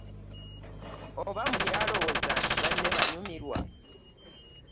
Oba muli alowooza nti banne banyumirwa ,